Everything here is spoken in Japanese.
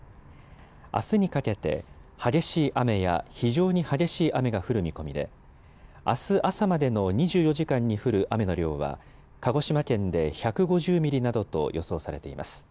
あすにかけて、激しい雨や非常に激しい雨が降る見込みで、あす朝までの２４時間に降る雨の量は、鹿児島県で１５０ミリなどと予想されています。